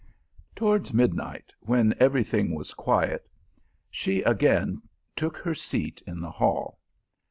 Towards midnight, when every thing was quiet, she again took her seat in the hall.